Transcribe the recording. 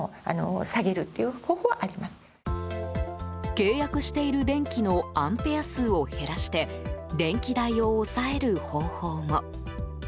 契約している電気のアンペア数を減らして電気代を抑える方法も。